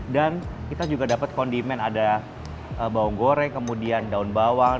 dan kita juga dapat kondimen ada bawang goreng kemudian daun bawang